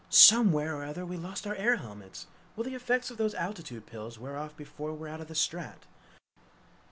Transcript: "Somewhere or other we lost our air helmets. Will the effects of those altitude pills wear off before we're out of the strat?"